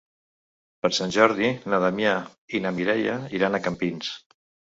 Per Sant Jordi na Damià i na Mireia iran a Campins.